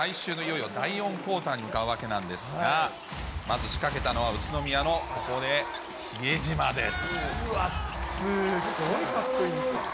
そしてそのあと最終のいよいよ第４クオーターに向かうわけなんですが、まず仕掛けたのは宇都宮の比江島です。